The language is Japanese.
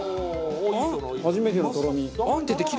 初めてのとろみ。